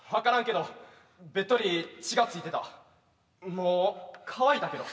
もう乾いたけど。